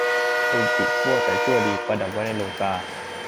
สถิตทั่วแต่ชั่วดี ประดับไว้ในโลกา